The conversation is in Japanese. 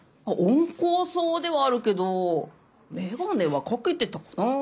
温厚そうではあるけど眼鏡はかけてたかな？